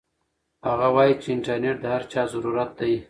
هغه وایي چې انټرنيټ د هر چا ضرورت دی.